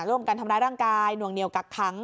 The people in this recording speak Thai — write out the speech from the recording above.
ร่วมกันทำร้ายร่างกายหน่วงเหนียวกักขัง